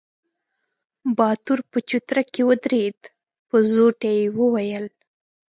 باتور په چوتره کې ودرېد، په زوټه يې وويل: